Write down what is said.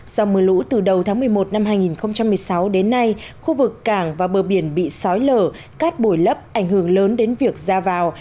do mưa lũ từ đầu tháng một mươi một năm hai nghìn một mươi sáu đến nay khu vực cảng và bờ biển bị sói lở cát bồi lấp ảnh hưởng lớn đến việc ra vào